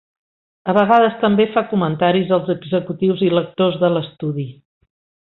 A vegades també fa comentaris als executius i lectors de l'estudi .